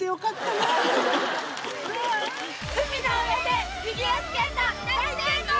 海の上でフィギュアスケート大成功！